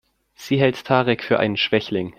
Sie hält Tarek für einen Schwächling.